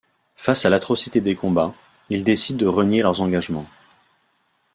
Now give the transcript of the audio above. Face à l'atrocité des combats, ils décident de renier leur engagement.